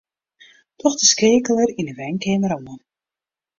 Doch de skeakeler yn 'e wenkeamer oan.